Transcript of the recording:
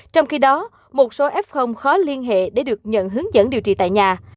trong khi đó một số f khó liên hệ để được nhận hướng dẫn điều trị tại nhà